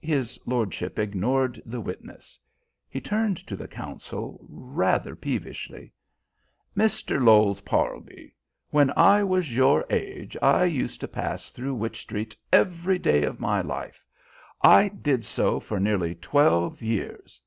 His lordship ignored the witness. He turned to the counsel rather peevishly. "Mr. Lowes Parlby, when I was your age I used to pass through Wych Street every day of my life. I did so for nearly twelve years.